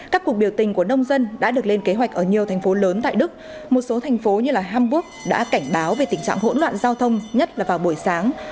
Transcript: các cuộc biểu tình của nông dân đã được lên kế hoạch ở nhiều thành phố lớn tại đức một số thành phố như hamburg đã cảnh báo về tình trạng hỗn loạn giao thông nhất là vào buổi sáng